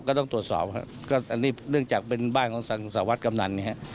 ก็ต้องตรวจสอบอันนี้เนื่องจากเป็นบ้านของสาวัสดิ์กำหนัง